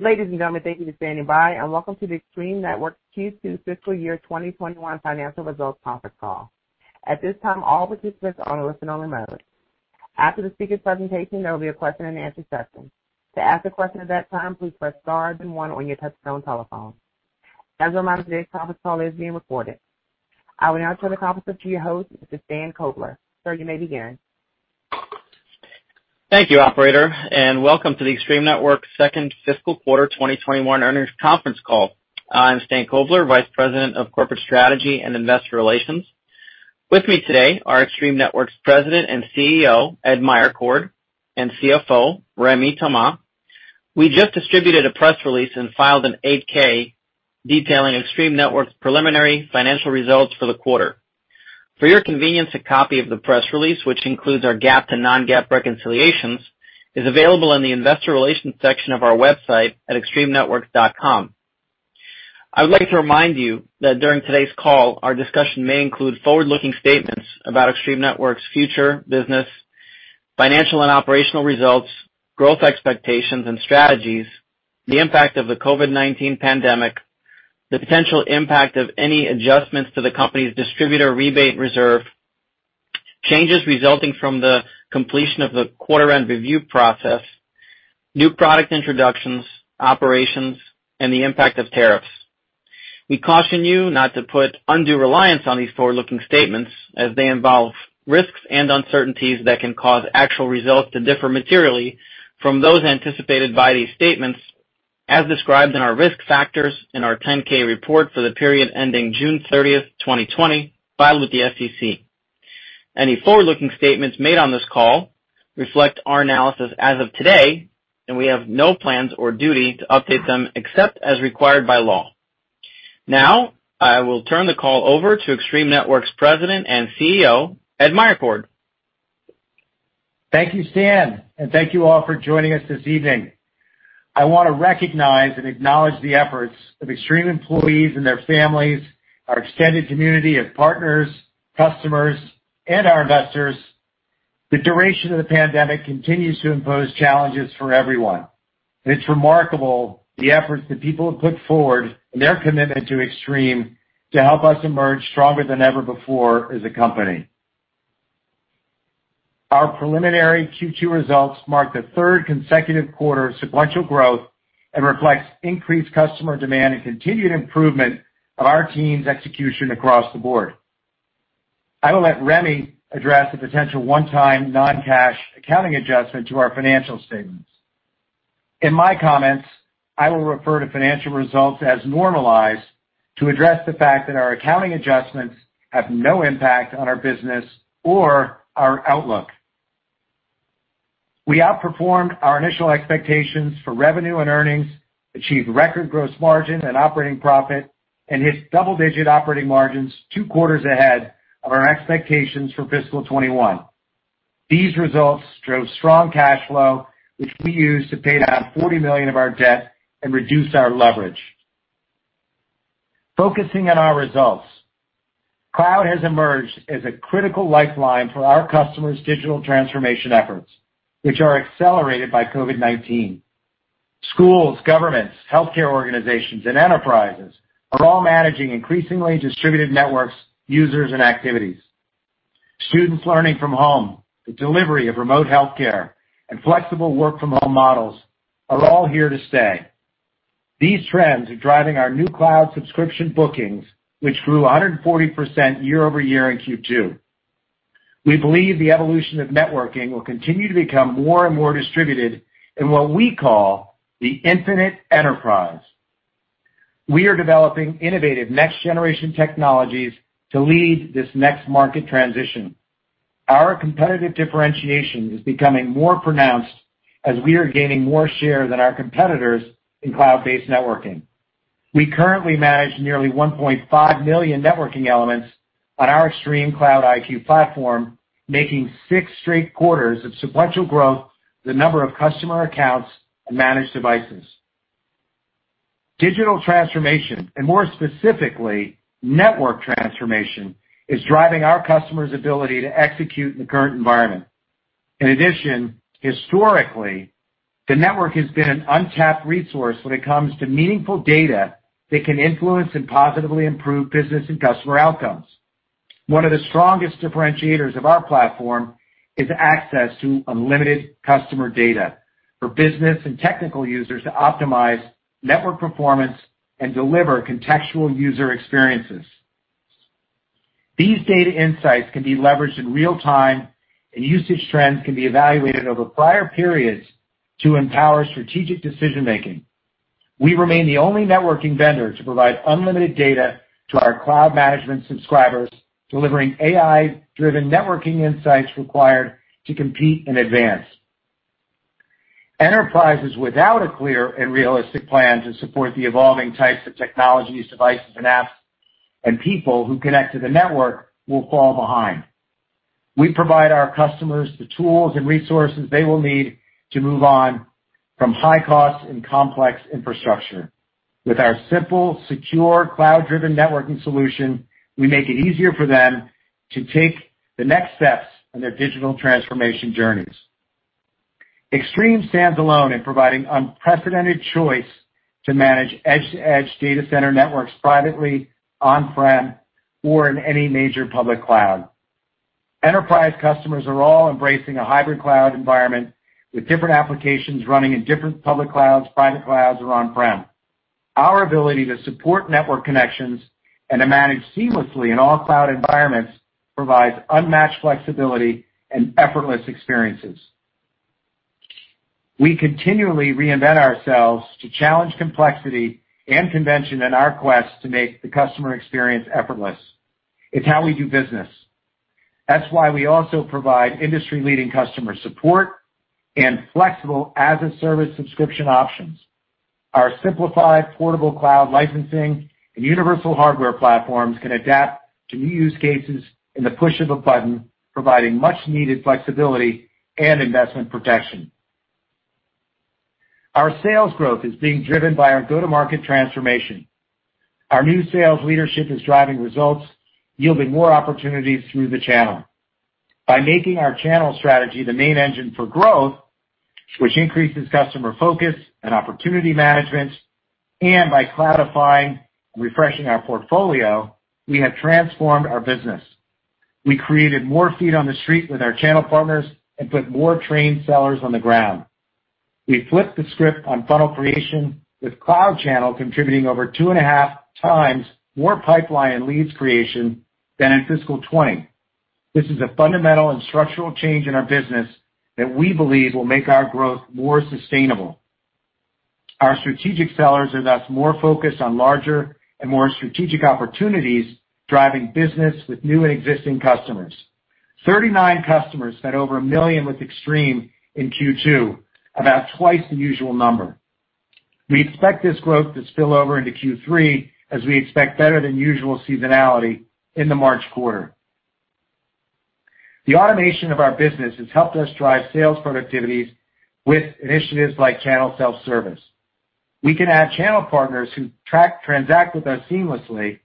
Ladies and gentlemen, thank you for standing by, and welcome to the Extreme Networks Q2 Fiscal Year 2021 Financial Results Conference Call. At this time, all participants are on a listen-only mode. After the speaker presentation, there will be a question and answer session. To ask a question at that time, please press star then one on your touchtone telephone. As a reminder, today's conference call is being recorded. I will now turn the conference over to your host, Mr. Stan Kovler. Sir, you may begin. Thank you, operator. Welcome to the Extreme Networks second fiscal quarter 2021 earnings conference call. I'm Stan Kovler, Vice President of Corporate Strategy and Investor Relations. With me today are Extreme Networks President and CEO, Ed Meyercord, and CFO, Rémi Thomas. We just distributed a press release and filed an 8-K detailing Extreme Networks preliminary financial results for the quarter. For your convenience, a copy of the press release, which includes our GAAP to non-GAAP reconciliations, is available in the investor relations section of our website at extremenetworks.com. I would like to remind you that during today's call, our discussion may include forward-looking statements about Extreme Networks future business, financial and operational results, growth expectations and strategies, the impact of the COVID-19 pandemic, the potential impact of any adjustments to the company's distributor rebate reserve, changes resulting from the completion of the quarter-end review process, new product introductions, operations, and the impact of tariffs. We caution you not to put undue reliance on these forward-looking statements as they involve risks and uncertainties that can cause actual results to differ materially from those anticipated by these statements as described in our risk factors in our 10-K report for the period ending June 30th, 2020, filed with the SEC. Any forward-looking statements made on this call reflect our analysis as of today, and we have no plans or duty to update them except as required by law. Now, I will turn the call over to Extreme Networks President and CEO, Ed Meyercord. Thank you, Stan. Thank you all for joining us this evening. I want to recognize and acknowledge the efforts of Extreme employees and their families, our extended community of partners, customers, and our investors. The duration of the pandemic continues to impose challenges for everyone, and it's remarkable the efforts that people have put forward and their commitment to Extreme to help us emerge stronger than ever before as a company. Our preliminary Q2 results mark the third consecutive quarter of sequential growth and reflects increased customer demand and continued improvement of our team's execution across the board. I will let Remi address the potential one-time non-cash accounting adjustment to our financial statements. In my comments, I will refer to financial results as normalized to address the fact that our accounting adjustments have no impact on our business or our outlook. We outperformed our initial expectations for revenue and earnings, achieved record gross margin and operating profit, and hit double-digit operating margins two quarters ahead of our expectations for fiscal 2021. These results drove strong cash flow, which we used to pay down $40 million of our debt and reduce our leverage. Focusing on our results. Cloud has emerged as a critical lifeline for our customers' digital transformation efforts, which are accelerated by COVID-19. Schools, governments, healthcare organizations, and enterprises are all managing increasingly distributed networks, users, and activities. Students learning from home, the delivery of remote healthcare, and flexible work-from-home models are all here to stay. These trends are driving our new cloud subscription bookings, which grew 140% year-over-year in Q2. We believe the evolution of networking will continue to become more and more distributed in what we call the infinite enterprise. We are developing innovative next-generation technologies to lead this next market transition. Our competitive differentiation is becoming more pronounced as we are gaining more share than our competitors in cloud-based networking. We currently manage nearly 1.5 million networking elements on our ExtremeCloud IQ platform, making six straight quarters of sequential growth, the number of customer accounts, and managed devices. Digital transformation, more specifically, network transformation, is driving our customer's ability to execute in the current environment. In addition, historically, the network has been an untapped resource when it comes to meaningful data that can influence and positively improve business and customer outcomes. One of the strongest differentiators of our platform is access to unlimited customer data for business and technical users to optimize network performance and deliver contextual user experiences. These data insights can be leveraged in real time. Usage trends can be evaluated over prior periods to empower strategic decision making. We remain the only networking vendor to provide unlimited data to our cloud management subscribers, delivering AI-driven networking insights required to compete and advance. Enterprises without a clear and realistic plan to support the evolving types of technologies, devices, and apps, and people who connect to the network will fall behind. We provide our customers the tools and resources they will need to move on from high costs and complex infrastructure. With our simple, secure, cloud-driven networking solution, we make it easier for them to take the next steps on their digital transformation journeys. Extreme stands alone in providing unprecedented choice to manage edge-to-edge data center networks privately, on-prem, or in any major public cloud. Enterprise customers are all embracing a hybrid cloud environment with different applications running in different public clouds, private clouds, or on-prem. Our ability to support network connections and to manage seamlessly in all cloud environments provides unmatched flexibility and effortless experiences. We continually reinvent ourselves to challenge complexity and convention in our quest to make the customer experience effortless. It's how we do business. That's why we also provide industry-leading customer support and flexible as-a-service subscription options. Our simplified, portable cloud licensing and universal hardware platforms can adapt to new use cases in the push of a button, providing much needed flexibility and investment protection. Our sales growth is being driven by our go-to-market transformation. Our new sales leadership is driving results, yielding more opportunities through the channel. By making our channel strategy the main engine for growth, which increases customer focus and opportunity management, and by cloudifying and refreshing our portfolio, we have transformed our business. We created more feet on the street with our channel partners and put more trained sellers on the ground. We flipped the script on funnel creation, with cloud channel contributing over two and a half times more pipeline and leads creation than in fiscal 2020. This is a fundamental and structural change in our business that we believe will make our growth more sustainable. Our strategic sellers are thus more focused on larger and more strategic opportunities, driving business with new and existing customers. 39 customers spent over $1 million with Extreme Networks in Q2, about twice the usual number. We expect this growth to spill over into Q3, as we expect better than usual seasonality in the March quarter. The automation of our business has helped us drive sales productivities with initiatives like channel self-service. We can add channel partners who transact with us seamlessly,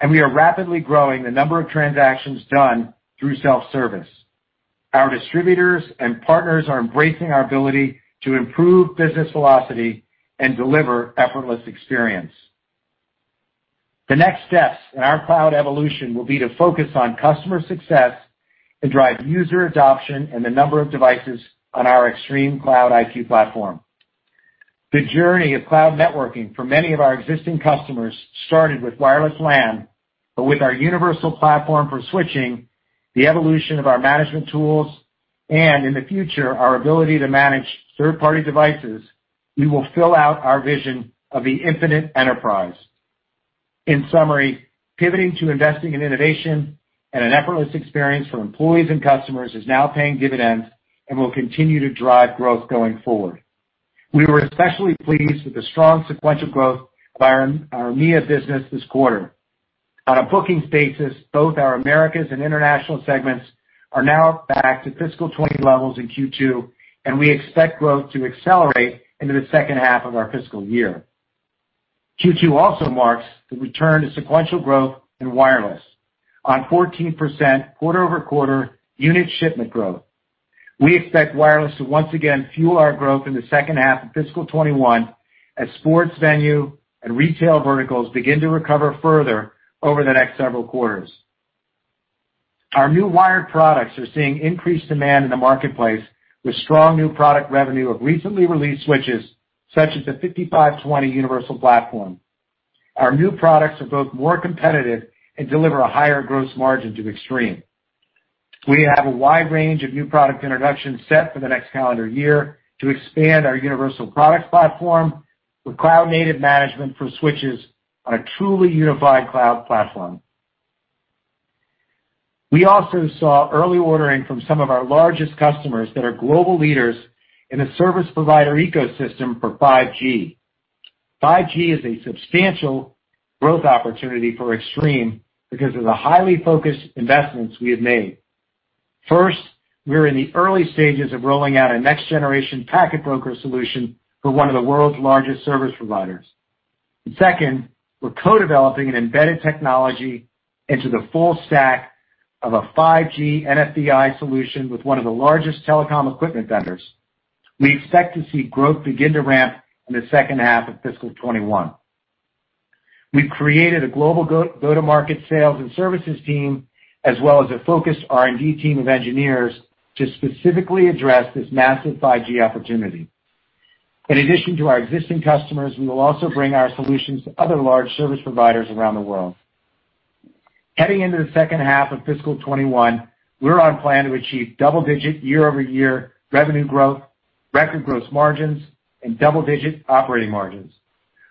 and we are rapidly growing the number of transactions done through self-service. Our distributors and partners are embracing our ability to improve business velocity and deliver effortless experience. The next steps in our cloud evolution will be to focus on customer success and drive user adoption and the number of devices on our ExtremeCloud IQ platform. The journey of cloud networking for many of our existing customers started with wireless LAN, but with our universal platform for switching, the evolution of our management tools, and, in the future, our ability to manage third-party devices, we will fill out our vision of the infinite enterprise. In summary, pivoting to investing in innovation and an effortless experience for employees and customers is now paying dividends and will continue to drive growth going forward. We were especially pleased with the strong sequential growth by our EMEA business this quarter. On a bookings basis, both our Americas and International segments are now back to fiscal 2020 levels in Q2, and we expect growth to accelerate into the second half of our fiscal year. Q2 also marks the return to sequential growth in wireless on 14% quarter-over-quarter unit shipment growth. We expect wireless to once again fuel our growth in the second half of fiscal 2021 as sports venue and retail verticals begin to recover further over the next several quarters. Our new wired products are seeing increased demand in the marketplace, with strong new product revenue of recently released switches, such as the 5520 universal platform. Our new products are both more competitive and deliver a higher gross margin to Extreme. We have a wide range of new product introductions set for the next calendar year to expand our universal product platform with cloud-native management for switches on a truly unified cloud platform. We also saw early ordering from some of our largest customers that are global leaders in the service provider ecosystem for 5G. 5G is a substantial growth opportunity for Extreme because of the highly focused investments we have made. First, we are in the early stages of rolling out a next-generation packet broker solution for one of the world's largest service providers. Second, we're co-developing an embedded technology into the full stack of a 5G NFVi solution with one of the largest telecom equipment vendors. We expect to see growth begin to ramp in the second half of fiscal 2021. We've created a global go-to-market sales and services team, as well as a focused R&D team of engineers to specifically address this massive 5G opportunity. In addition to our existing customers, we will also bring our solutions to other large service providers around the world. Heading into the second half of fiscal 2021, we're on plan to achieve double-digit year-over-year revenue growth, record gross margins, and double-digit operating margins.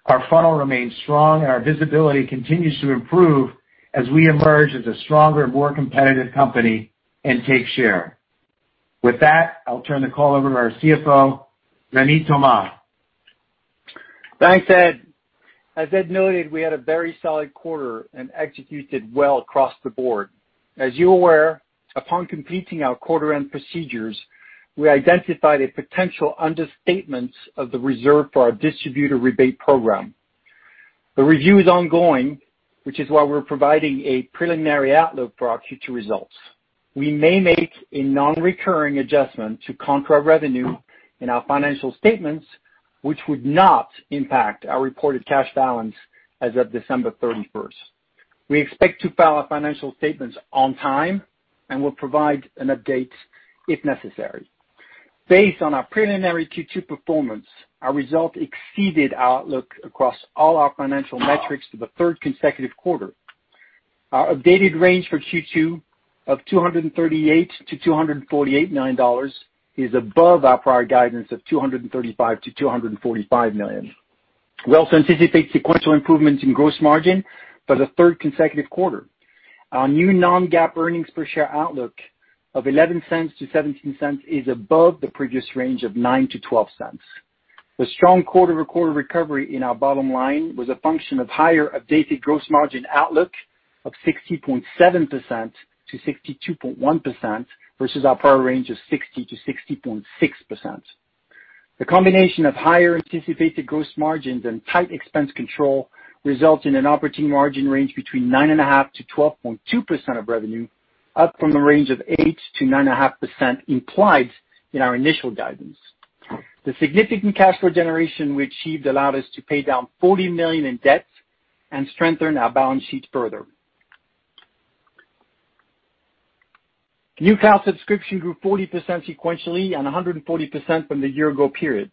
Our funnel remains strong, and our visibility continues to improve as we emerge as a stronger, more competitive company and take share. With that, I'll turn the call over to our CFO, Rémi Thomas. Thanks, Ed. As Ed noted, we had a very solid quarter and executed well across the board. As you're aware, upon completing our quarter-end procedures, we identified a potential understatement of the reserve for our distributor rebate program. The review is ongoing, which is why we're providing a preliminary outlook for our Q2 results. We may make a non-recurring adjustment to contract revenue in our financial statements, which would not impact our reported cash balance as of December 31st. We expect to file our financial statements on time and will provide an update if necessary. Based on our preliminary Q2 performance, our result exceeded our outlook across all our financial metrics for the third consecutive quarter. Our updated range for Q2 of $238 million-$248 million is above our prior guidance of $235 million-$245 million. We also anticipate sequential improvements in gross margin for the third consecutive quarter. Our new non-GAAP earnings per share outlook of $0.11-$0.17 is above the previous range of $0.09-$0.12. The strong quarter-over-quarter recovery in our bottom line was a function of higher updated gross margin outlook of 60.7%-62.1%, versus our prior range of 60%-60.6%. The combination of higher anticipated gross margins and tight expense control results in an operating margin range between 9.5%-12.2% of revenue, up from a range of 8%-9.5% implied in our initial guidance. The significant cash flow generation we achieved allowed us to pay down $40 million in debt and strengthen our balance sheet further. New cloud subscription grew 40% sequentially and 140% from the year-ago period.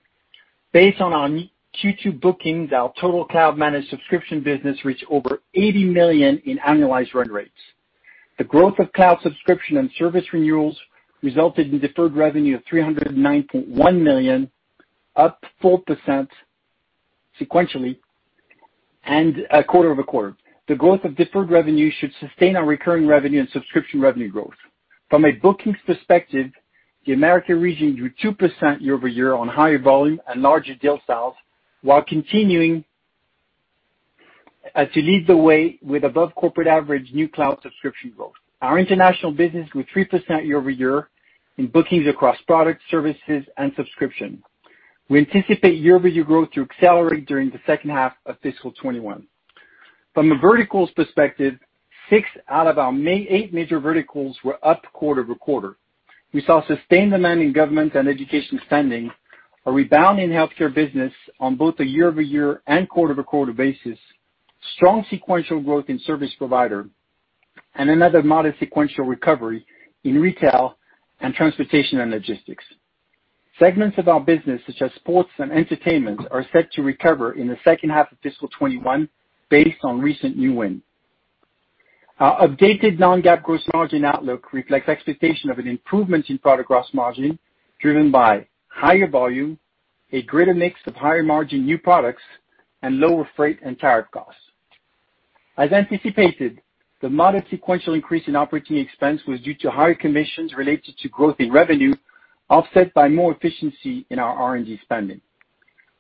Based on our Q2 bookings, our total cloud managed subscription business reached over $80 million in annualized run rates. The growth of cloud subscription and service renewals resulted in deferred revenue of $309.1 million, up 4% sequentially and quarter-over-quarter. The growth of deferred revenue should sustain our recurring revenue and subscription revenue growth. From a bookings perspective, the American region grew 2% year-over-year on higher volume and larger deal sales, while continuing to lead the way with above corporate average new cloud subscription growth. Our international business grew 3% year-over-year in bookings across products, services, and subscription. We anticipate year-over-year growth to accelerate during the second half of fiscal 2021. From a verticals perspective, six out of our eight major verticals were up quarter-over-quarter. We saw sustained demand in government and education spending, a rebound in healthcare business on both a year-over-year and quarter-over-quarter basis, strong sequential growth in service provider, and another modest sequential recovery in retail and transportation and logistics. Segments of our business, such as sports and entertainment, are set to recover in the second half of fiscal 2021 based on recent new wins. Our updated non-GAAP gross margin outlook reflects expectation of an improvement in product gross margin driven by higher volume, a greater mix of higher margin new products, and lower freight and tariff costs. As anticipated, the modest sequential increase in operating expense was due to higher commissions related to growth in revenue, offset by more efficiency in our R&D spending.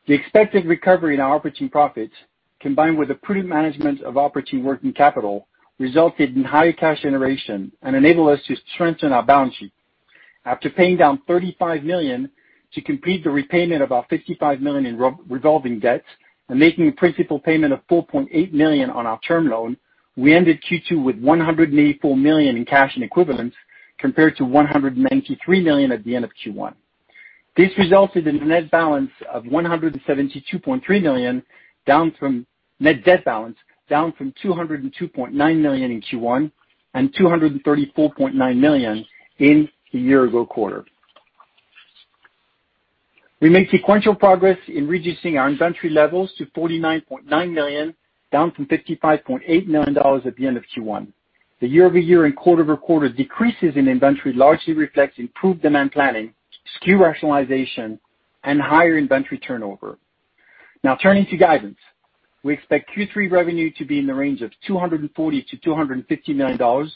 The expected recovery in our operating profits, combined with a prudent management of operating working capital, resulted in higher cash generation and enabled us to strengthen our balance sheet. After paying down $35 million to complete the repayment of our $55 million in revolving debt and making a principal payment of $4.8 million on our term loan, we ended Q2 with $184 million in cash and equivalents, compared to $193 million at the end of Q1. This resulted in a net debt balance of $172.3 million, down from $202.9 million in Q1 and $234.9 million in the year-ago quarter. We made sequential progress in reducing our inventory levels to $49.9 million, down from $55.8 million at the end of Q1. The year-over-year and quarter-over-quarter decreases in inventory largely reflects improved demand planning, SKU rationalization, and higher inventory turnover. Turning to guidance. We expect Q3 revenue to be in the range of $240 million-$250 million,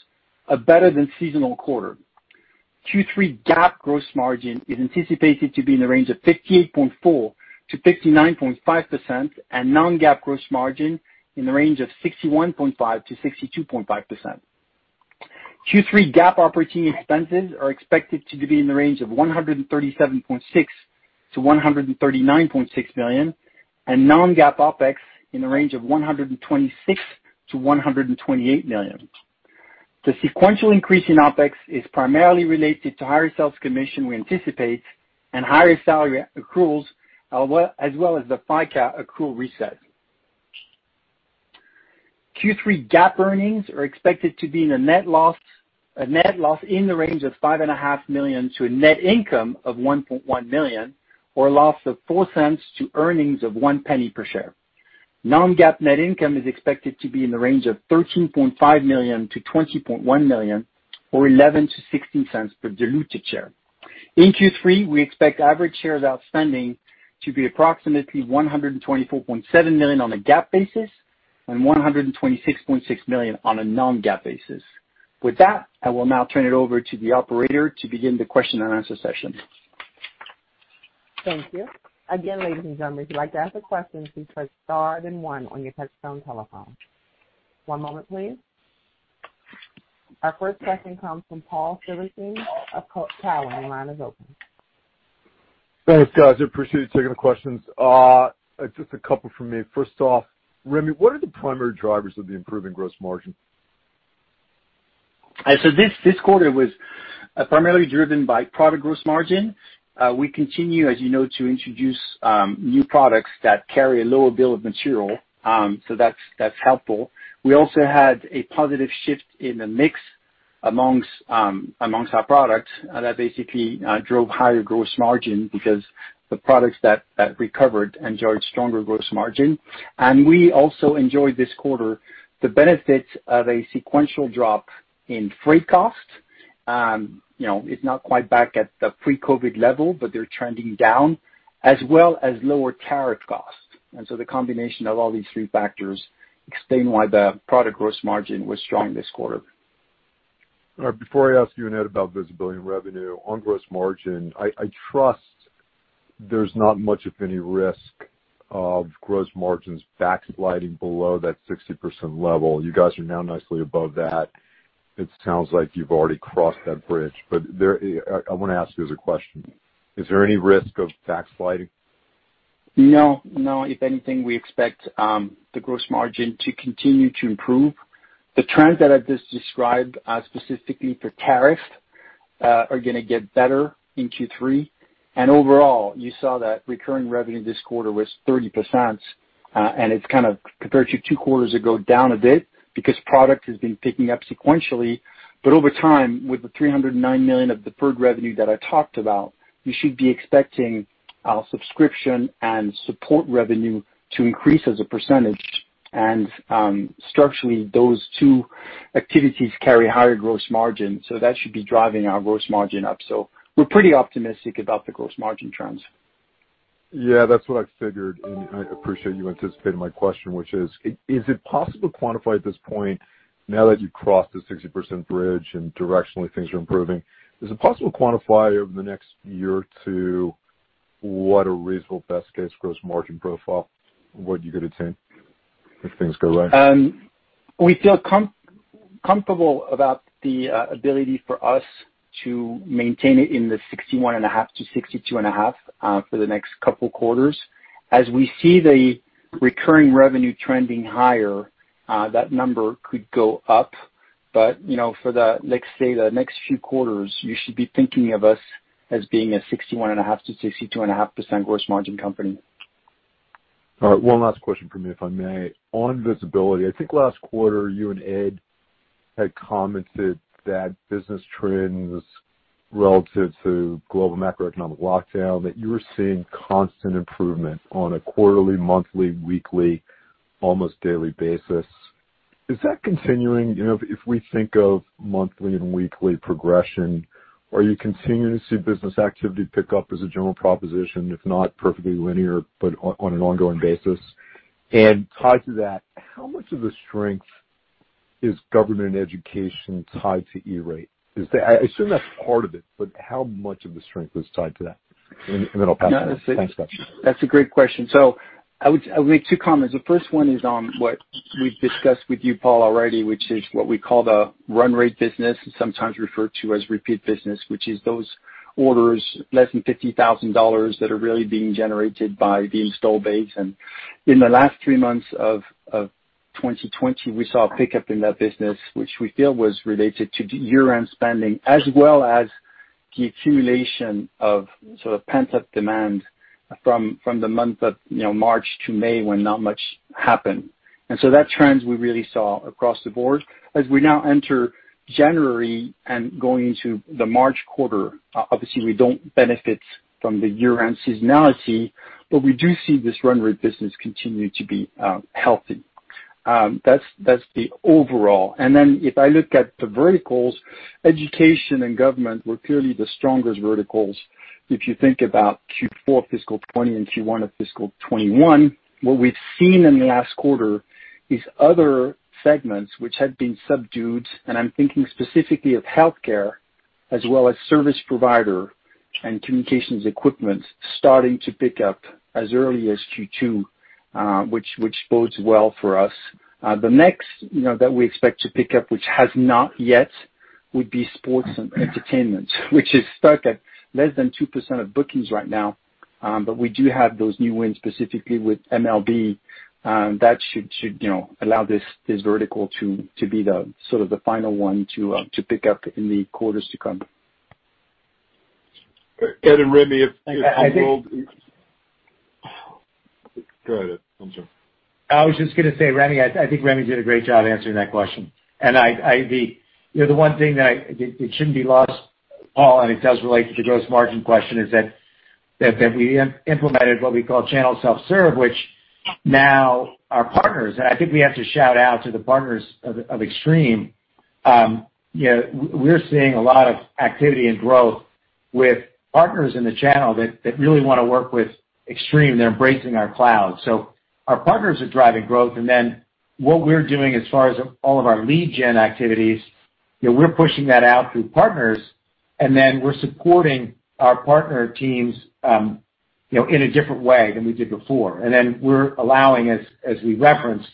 a better than seasonal quarter. Q3 GAAP gross margin is anticipated to be in the range of 58.4%-59.5%, and non-GAAP gross margin in the range of 61.5%-62.5%. Q3 GAAP operating expenses are expected to be in the range of $137.6 million-$139.6 million, and non-GAAP OPEX in the range of $126 million-$128 million. The sequential increase in OPEX is primarily related to higher sales commission we anticipate and higher salary accruals, as well as the FICA accrual reset. Q3 GAAP earnings are expected to be a net loss in the range of $5.5 million to a net income of $1.1 million, or a loss of $0.04 to earnings of $0.01 per share. Non-GAAP net income is expected to be in the range of $13.5 million-$20.1 million, or $0.11-$0.16 per diluted share. In Q3, we expect average shares outstanding to be approximately 124.7 million on a GAAP basis and 126.6 million on a non-GAAP basis. With that, I will now turn it over to the operator to begin the question and answer session. Thank you. Again, ladies and gentlemen, if you'd like to ask a question, please press star then one on your touch-tone telephone. One moment please. Our first question comes from Paul Silverstein of Cowen. Your line is open. Thanks, guys. I appreciate you taking the questions. Just a couple from me. First off, Rémi, what are the primary drivers of the improving gross margin? This quarter was primarily driven by product gross margin. We continue, as you know, to introduce new products that carry a lower bill of material. That's helpful. We also had a positive shift in the mix amongst our products that basically drove higher gross margin because the products that recovered enjoyed stronger gross margin. We also enjoyed this quarter the benefits of a sequential drop in freight costs. It's not quite back at the pre-COVID level, but they're trending down, as well as lower tariff costs. The combination of all these three factors explain why the product gross margin was strong this quarter. All right. Before I ask you and Ed about visibility and revenue, on gross margin, I trust there's not much of any risk of gross margins backsliding below that 60% level. You guys are now nicely above that. It sounds like you've already crossed that bridge. I want to ask you as a question, is there any risk of backsliding? No. If anything, we expect the gross margin to continue to improve. The trends that I just described, specifically for tariff, are going to get better in Q3. Overall, you saw that recurring revenue this quarter was 30%, and it's kind of compared to two quarters ago, down a bit because product has been picking up sequentially. Over time, with the $309 million of deferred revenue that I talked about, you should be expecting our subscription and support revenue to increase as a percentage. Structurally, those two activities carry higher gross margin, so that should be driving our gross margin up. We're pretty optimistic about the gross margin trends. Yeah, that's what I figured, I appreciate you anticipating my question, which is it possible to quantify at this point, now that you crossed the 60% bridge and directionally things are improving, is it possible to quantify over the next year or two what a reasonable best case gross margin profile would you could attain if things go right? We feel comfortable about the ability for us to maintain it in the 61.5%-62.5% for the next couple quarters. As we see the recurring revenue trending higher, that number could go up. For the next few quarters, you should be thinking of us as being a 61.5%-62.5% gross margin company. All right. One last question from me, if I may. On visibility, I think last quarter you and Ed had commented that business trends relative to global macroeconomic lockdown, that you were seeing constant improvement on a quarterly, monthly, weekly, almost daily basis. Is that continuing? If we think of monthly and weekly progression, are you continuing to see business activity pick up as a general proposition, if not perfectly linear, but on an ongoing basis? Tied to that, how much of the strength is government education tied to E-Rate? I assume that's part of it, but how much of the strength was tied to that? Then I'll pass it on. Thanks, guys. That's a great question. I would make two comments. The first one is on what we've discussed with you, Paul, already, which is what we call the run rate business, sometimes referred to as repeat business, which is those orders less than $50,000 that are really being generated by the install base. In the last three months of 2020, we saw a pickup in that business, which we feel was related to year-end spending as well as the accumulation of sort of pent-up demand from the month of March to May, when not much happened. That trend we really saw across the board. As we now enter January and going into the March quarter, obviously, we don't benefit from the year-end seasonality, but we do see this run rate business continue to be healthy. That's the overall. If I look at the verticals, education and government were clearly the strongest verticals. If you think about Q4 fiscal 2020 and Q1 of fiscal 2021, what we've seen in the last quarter is other segments which had been subdued, and I'm thinking specifically of healthcare as well as service provider and communications equipment starting to pick up as early as Q2, which bodes well for us. The next that we expect to pick up, which has not yet, would be sports and entertainment, which is stuck at less than 2% of bookings right now. We do have those new wins specifically with MLB. That should allow this vertical to be the sort of the final one to pick up in the quarters to come. Ed and Rémi. I think- Go ahead, Ed. I'm sorry. I was just going to say, Rémi, I think Rémi did a great job answering that question. The one thing that it shouldn't be lost, Paul, and it does relate to the gross margin question, is that we implemented what we call channel self-serve, which now our partners, and I think we have to shout out to the partners of Extreme. We're seeing a lot of activity and growth with partners in the channel that really want to work with Extreme. They're embracing our cloud. Our partners are driving growth, and then what we're doing as far as all of our lead gen activities. We're pushing that out through partners, and then we're supporting our partner teams in a different way than we did before. We're allowing, as we referenced,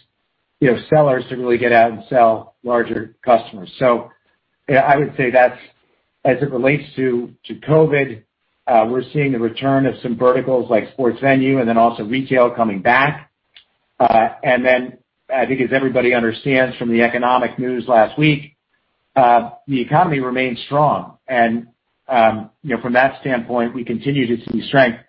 sellers to really get out and sell larger customers. I would say as it relates to COVID, we're seeing the return of some verticals like sports venue and then also retail coming back. Then I think as everybody understands from the economic news last week, the economy remains strong. From that standpoint, we continue to see strength.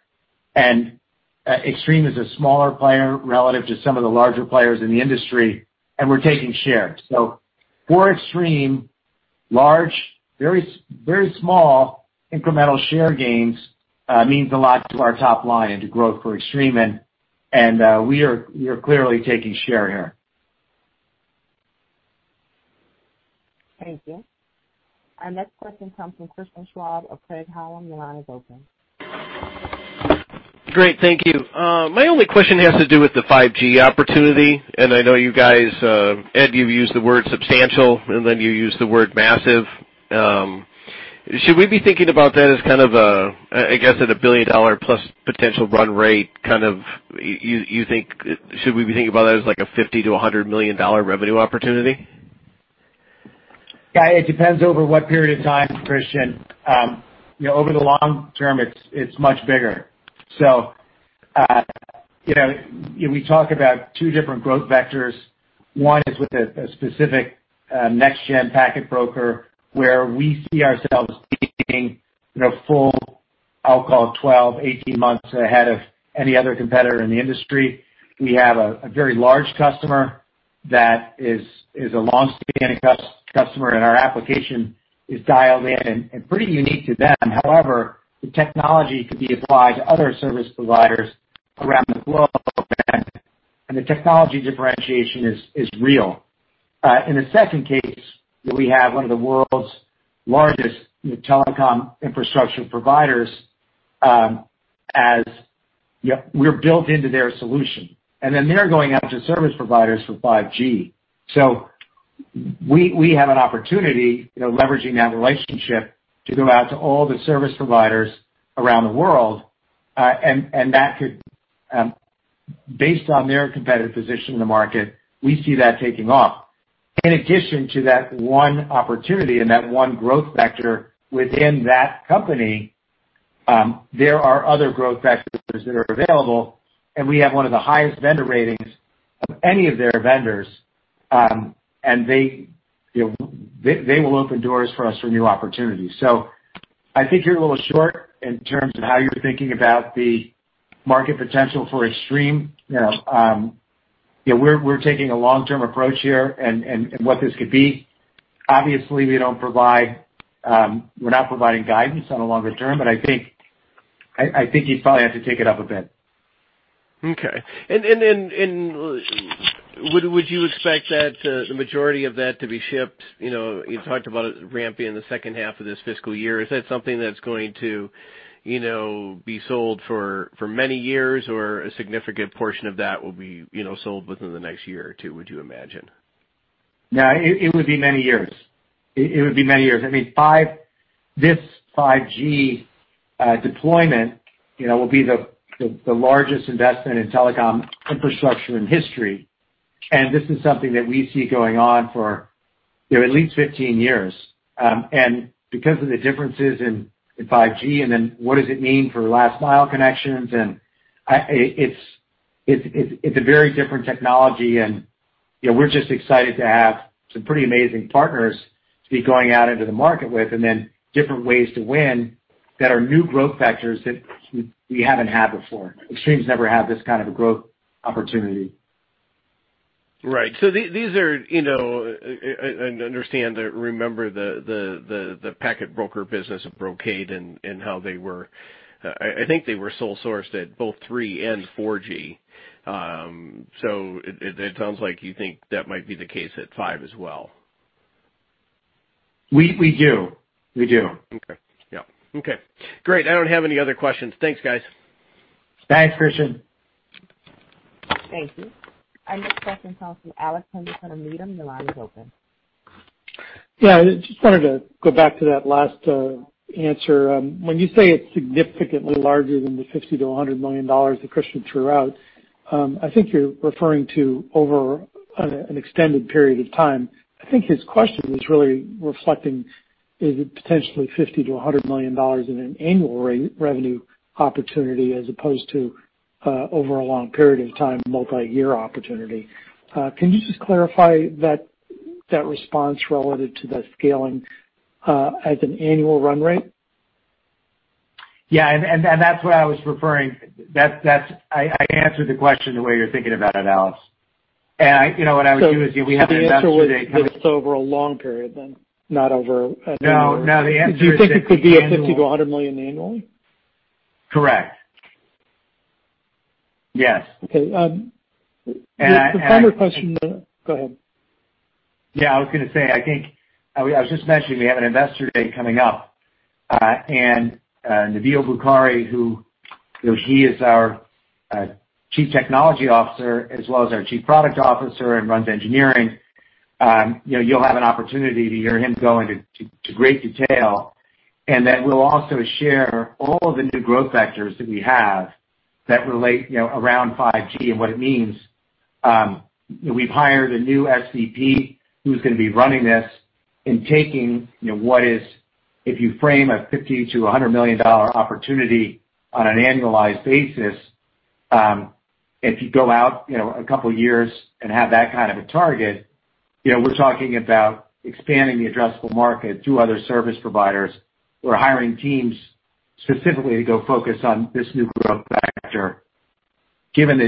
Extreme is a smaller player relative to some of the larger players in the industry, and we're taking share. For Extreme, very small incremental share gains means a lot to our top line and to growth for Extreme. We are clearly taking share here. Thank you. Our next question comes from Christian Schwab of Craig-Hallum. Your line is open. Great. Thank you. My only question has to do with the 5G opportunity. I know you guys, Ed, you've used the word substantial, and then you used the word massive. Should we be thinking about that as, I guess, at a $1 billion-plus potential run rate, should we be thinking about that as like a $50 million-$100 million revenue opportunity? It depends over what period of time, Christian. Over the long term, it's much bigger. We talk about two different growth vectors. One is with a specific next-gen packet broker, where we see ourselves being full, I'll call it 12, 18 months ahead of any other competitor in the industry. We have a very large customer that is a long-standing customer, and our application is dialed in and pretty unique to them. However, the technology could be applied to other service providers around the globe, and the technology differentiation is real. In the second case, we have one of the world's largest telecom infrastructure providers. We're built into their solution. They're going out to service providers for 5G. We have an opportunity, leveraging that relationship to go out to all the service providers around the world, and based on their competitive position in the market, we see that taking off. In addition to that one opportunity and that one growth vector within that company, there are other growth vectors that are available, and we have one of the highest vendor ratings of any of their vendors, and they will open doors for us for new opportunities. I think you're a little short in terms of how you're thinking about the market potential for Extreme. We're taking a long-term approach here and what this could be. Obviously, we're not providing guidance on a longer term, but I think you probably have to take it up a bit. Okay. Would you expect the majority of that to be shipped, you talked about it ramping in the second half of this fiscal year? Is that something that's going to be sold for many years or a significant portion of that will be sold within the next year or two, would you imagine? No, it would be many years. This 5G deployment will be the largest investment in telecom infrastructure in history. This is something that we see going on for at least 15 years. Because of the differences in 5G and then what does it mean for last mile connections, and it's a very different technology, and we're just excited to have some pretty amazing partners to be going out into the market with, and then different ways to win that are new growth vectors that we haven't had before. Extreme's never had this kind of a growth opportunity. Right. I understand, I remember the packet broker business of Brocade and how they were, I think they were sole sourced at both 3 and 4G. It sounds like you think that might be the case at 5 as well. We do. Okay. Great. I don't have any other questions. Thanks, guys. Thanks, Christian. Thank you. Our next question comes from Alex Henderson from Needham. Your line is open. I just wanted to go back to that last answer. When you say it's significantly larger than the $50 million-$100 million that Christian threw out, I think you're referring to over an extended period of time. I think his question was really reflecting, is it potentially $50 million-$100 million in an annual revenue opportunity as opposed to over a long period of time, multi-year opportunity? Can you just clarify that response relative to the scaling as an annual run rate? Yeah. I answered the question the way you're thinking about it, Alex. what I would do is. The answer was just over a long period then, not over a year. No, the answer is that. Do you think it could be a $50 million-$100 million annually? Correct. Yes. Okay. The final question, go ahead. Yeah, I was going to say, I was just mentioning we have an investor day coming up. Nabil Bukhari, who is our Chief Technology Officer as well as our Chief Product Officer and runs engineering, you'll have an opportunity to hear him go into great detail, and then we'll also share all the new growth vectors that we have that relate around 5G and what it means. We've hired a new SVP who's going to be running this and taking what is, if you frame a $50 million-$100 million opportunity on an annualized basis, if you go out a couple of years and have that kind of a target, we're talking about expanding the addressable market to other service providers. We're hiring teams specifically to go focus on this new growth vector, given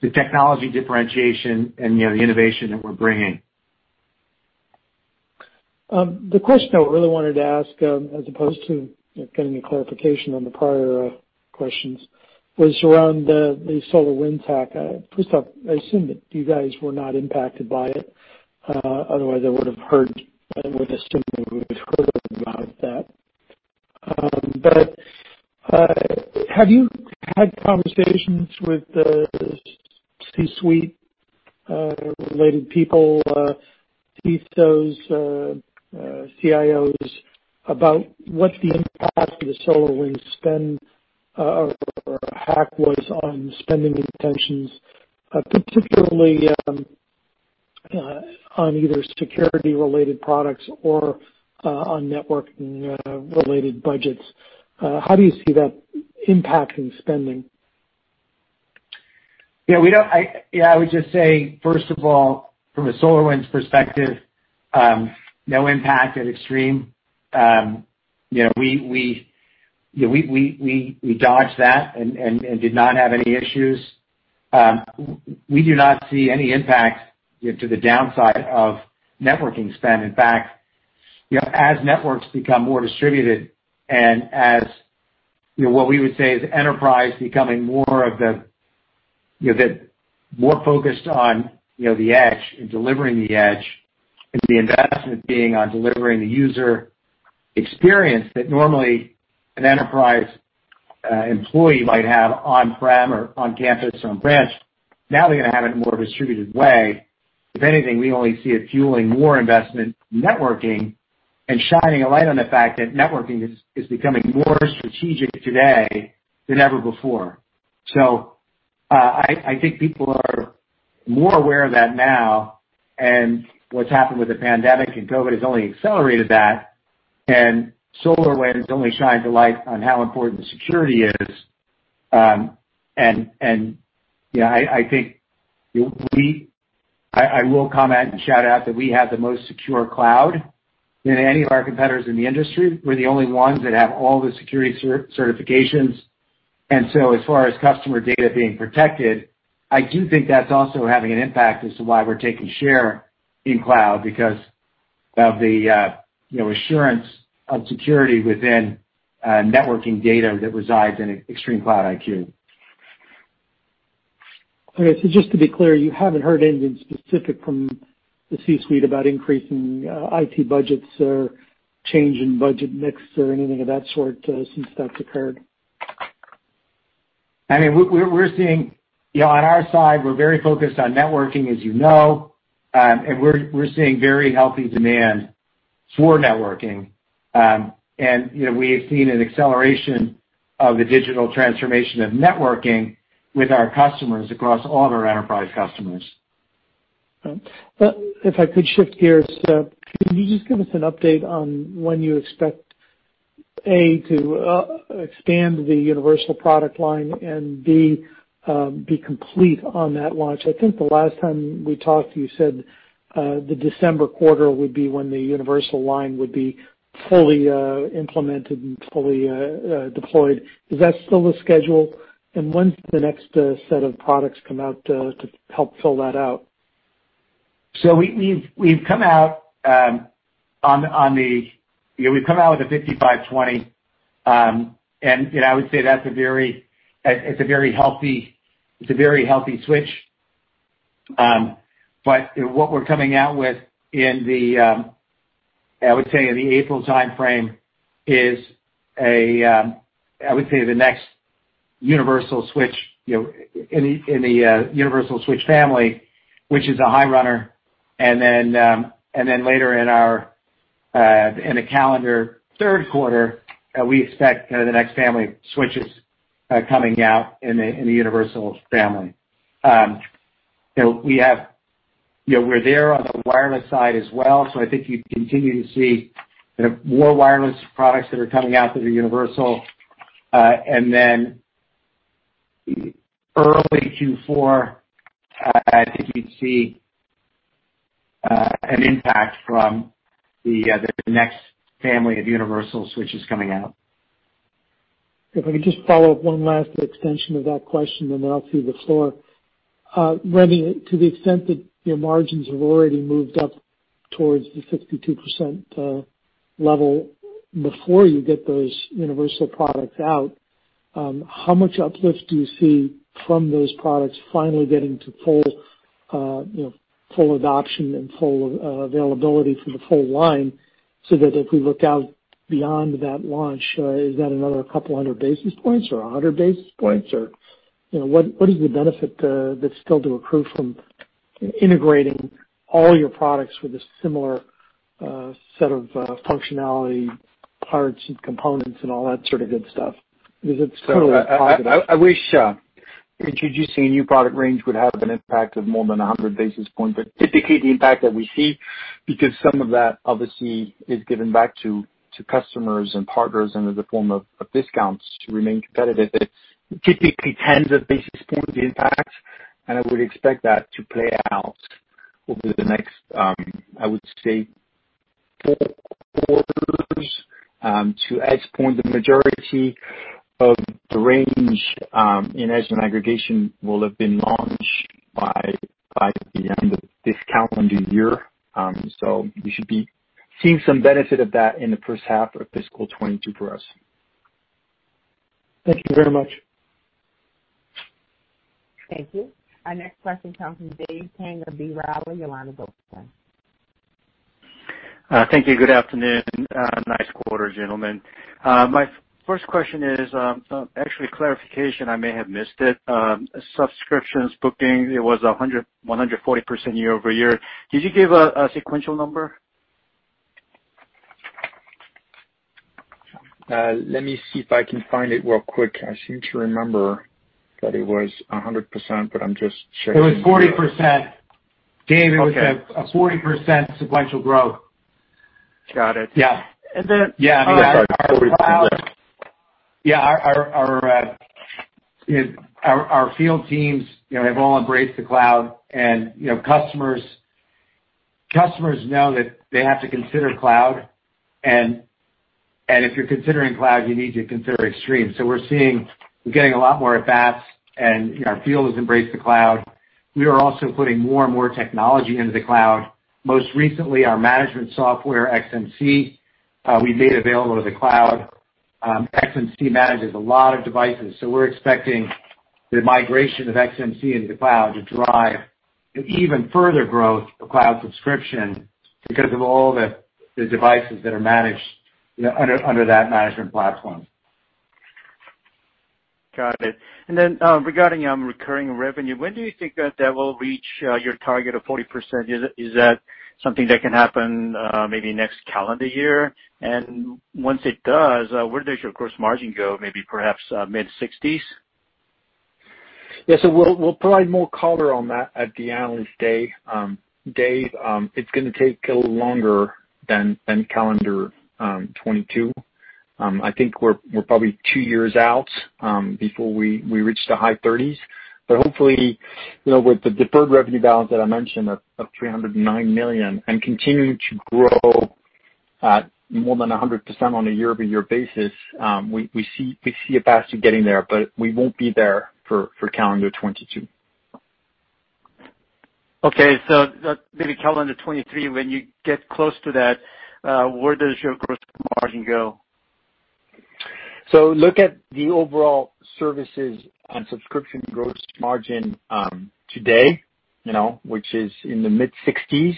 the technology differentiation and the innovation that we're bringing. The question I really wanted to ask, as opposed to getting a clarification on the prior questions, was around the SolarWinds hack. First off, I assume that you guys were not impacted by it. Otherwise, I would assume that we would've heard about that. Have you had conversations with the C-suite-related people, CIOs, about what the impact of the SolarWinds hack was on spending intentions, particularly on either security-related products or on networking-related budgets? How do you see that impacting spending? I would just say, first of all, from a SolarWinds perspective, no impact at Extreme. We dodged that and did not have any issues. We do not see any impact to the downside of networking spend. In fact, as networks become more distributed and as what we would say is enterprise becoming more focused on the edge and delivering the edge, and the investment being on delivering the user experience that normally an enterprise employee might have on-prem or on-campus or on-branch, now they're going to have it in a more distributed way. If anything, we only see it fueling more investment in networking and shining a light on the fact that networking is becoming more strategic today than ever before. I think people are more aware of that now, and what's happened with the pandemic and COVID-19 has only accelerated that, and SolarWinds only shined a light on how important security is. I will comment and shout out that we have the most secure cloud than any of our competitors in the industry. We're the only ones that have all the security certifications. As far as customer data being protected, I do think that's also having an impact as to why we're taking share in cloud, because of the assurance of security within networking data that resides in ExtremeCloud IQ. Okay. Just to be clear, you haven't heard anything specific from the C-suite about increasing IT budgets or change in budget mix or anything of that sort since that's occurred? On our side, we're very focused on networking, as you know, and we're seeing very healthy demand for networking. We have seen an acceleration of the digital transformation of networking with our customers across all of our enterprise customers. If I could shift gears. Can you just give us an update on when you expect, A, to expand the universal product line and, B, be complete on that launch? I think the last time we talked, you said, the December quarter would be when the universal line would be fully implemented and fully deployed. Is that still the schedule? When does the next set of products come out to help fill that out? We've come out with the 5520, and I would say that it's a very healthy switch. What we're coming out with in the April timeframe is the next universal switch in the universal switch family, which is a high runner. Later in the calendar third quarter, we expect the next family of switches coming out in the universal family. We're there on the wireless side as well. I think you continue to see more wireless products that are coming out that are universal. Early Q4, I think you'd see an impact from the next family of universal switches coming out. If I could just follow up one last extension of that question, I'll cede the floor. Rémi, to the extent that your margins have already moved up towards the 62% level before you get those universal products out. How much uplift do you see from those products finally getting to full adoption and full availability for the full line, so that if we look out beyond that launch, is that another couple hundred basis points or 100 basis points? What is the benefit that's still to accrue from integrating all your products with a similar set of functionality, parts, and components, and all that sort of good stuff? It's totally positive. I wish introducing a new product range would have an impact of more than 100 basis points. Typically, the impact that we see, because some of that obviously is given back to customers and partners and in the form of discounts to remain competitive, it's typically tens of basis point impact. I would expect that to play out over the next, I would say, four quarters to explain the majority of the range in edge and aggregation will have been launched by the end of this calendar year. We should be seeing some benefit of that in the first half of fiscal 2022 for us. Thank you very much. Thank you. Our next question comes from Dave Kang of B. Riley, your line is open. Thank you. Good afternoon. Nice quarter, gentlemen. My first question is actually a clarification, I may have missed it. Subscriptions booking, it was 140% year-over-year. Did you give a sequential number? Let me see if I can find it real quick. I seem to remember that it was 100%, but I'm just checking. It was 40%. Dave, it was a 40% sequential growth. Got it. Yeah. And then- Yeah. I'm sorry. 40% Our field teams have all embraced the cloud. Customers know that they have to consider cloud. If you're considering cloud, you need to consider Extreme. We're getting a lot more at bats. Our field has embraced the cloud. We are also putting more and more technology into the cloud. Most recently, our management software, XMC, we made available to the cloud. XMC manages a lot of devices. We're expecting the migration of XMC into the cloud to drive an even further growth of cloud subscription because of all the devices that are managed under that management platform. Got it. Then, regarding recurring revenue, when do you think that that will reach your target of 40%? Is that something that can happen maybe next calendar year? Once it does, where does your gross margin go? Maybe perhaps mid-60s? Yeah. We'll provide more color on that at the Analyst Day. Dave, it's going to take a little longer than calendar 2022. I think we're probably two years out, before we reach the high 30s. Hopefully, with the deferred revenue balance that I mentioned of $309 million and continuing to grow at more than 100% on a year-over-year basis, we see a path to getting there, but we won't be there for calendar 2022. Okay. maybe calendar 2023, when you get close to that, where does your gross margin go? Look at the overall services and subscription gross margin today, which is in the mid-60s,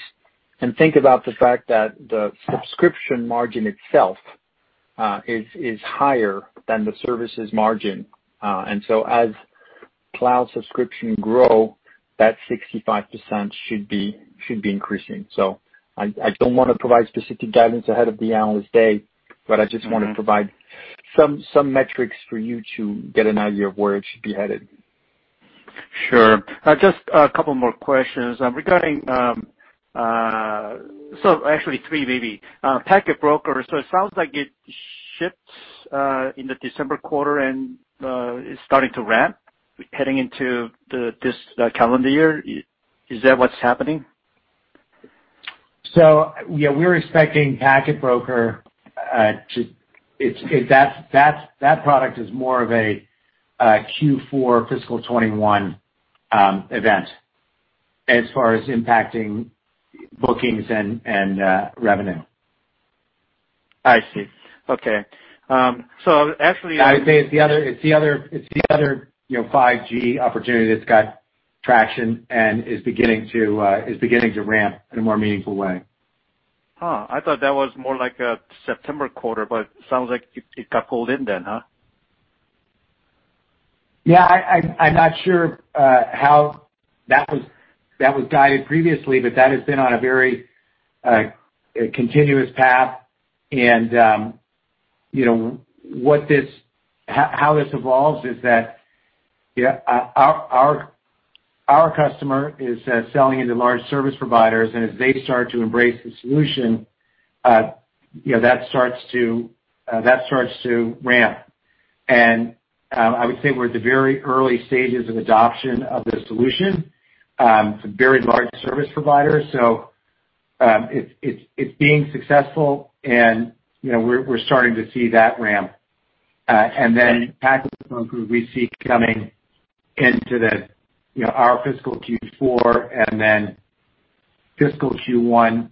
and think about the fact that the subscription margin itself is higher than the services margin. As cloud subscription grow, that 65% should be increasing. I don't want to provide specific guidance ahead of the Analyst Day, but I just want to provide some metrics for you to get an idea of where it should be headed. Sure. Just a couple more questions. Regarding actually three, maybe. Packet broker, so it sounds like it shifts in the December quarter and is starting to ramp heading into this calendar year. Is that what's happening? Yeah, we're expecting packet broker. That product is more of a Q4 fiscal 2021 event as far as impacting bookings and revenue. I see. Okay. I would say it's the other 5G opportunity that's got traction and is beginning to ramp in a more meaningful way. I thought that was more like a September quarter, but sounds like it got pulled in then, huh? Yeah, I'm not sure how that was guided previously, but that has been on a very continuous path. How this evolves is that our customer is selling into large service providers, and as they start to embrace the solution, that starts to ramp. I would say we're at the very early stages of adoption of the solution. It's a very large service provider. It's being successful and we're starting to see that ramp. Packet broker we see coming into our fiscal Q4 and then fiscal Q1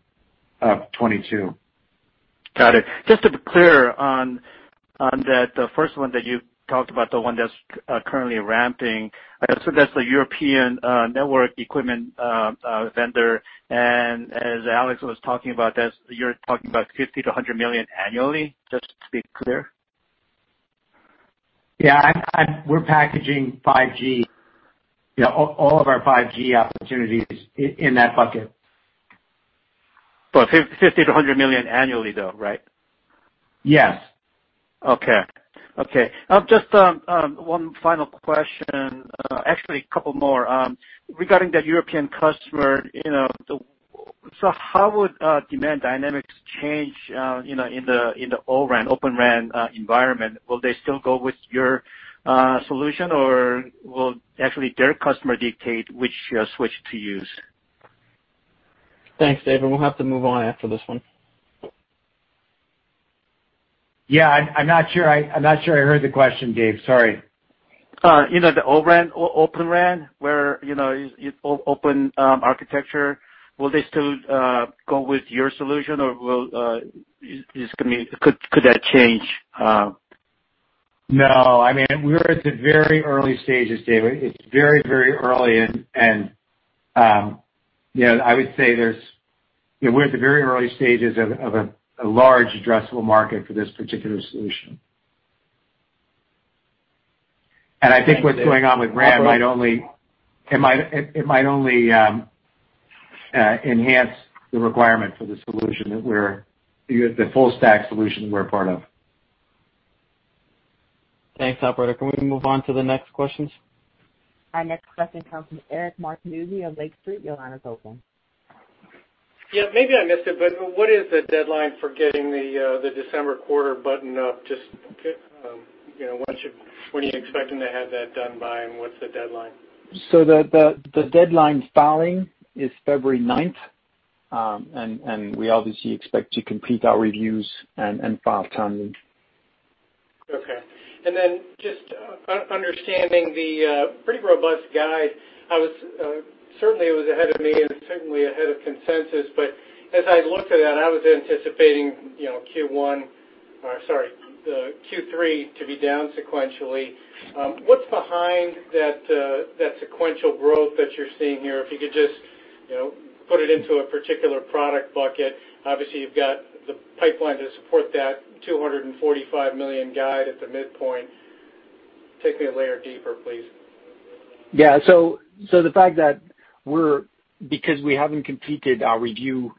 of 2022. Got it. Just to be clear on that first one that you talked about, the one that's currently ramping, I assume that's the European network equipment vendor. As Alex was talking about, you're talking about $50 million-$100 million annually, just to be clear? Yeah. We're packaging 5G, all of our 5G opportunities in that bucket. $50 million-$100 million annually, though, right? Yes. Okay. Just one final question. Actually, a couple more. Regarding that European customer, how would demand dynamics change in the O-RAN, Open RAN environment? Will they still go with your solution, or will actually their customer dictate which switch to use? Thanks, Dave. We'll have to move on after this one. Yeah, I'm not sure I heard the question, Dave. Sorry. The O-RAN, Open RAN, where open architecture, will they still go with your solution, or could that change? No. We're at the very early stages, Dave. It's very early. I would say we're at the very early stages of a large addressable market for this particular solution. I think what's going on with RAN, it might only enhance the requirement for the solution, the full stack solution we're a part of. Thanks. Operator, can we move on to the next questions? Our next question comes from Eric Martinuzzi of Lake Street. Your line is open. Yeah. Maybe I missed it, but what is the deadline for getting the December quarter buttoned up? Just when are you expecting to have that done by, and what's the deadline? The deadline filing is February 9th. We obviously expect to complete our reviews and file timely. Okay. Then just understanding the pretty robust guide, certainly it was ahead of me and certainly ahead of consensus, but as I looked at that, I was anticipating Q3 to be down sequentially. What's behind that sequential growth that you're seeing here? If you could just put it into a particular product bucket. Obviously, you've got the pipeline to support that $245 million guide at the midpoint. Take me a layer deeper, please. The fact that because we haven't completed our review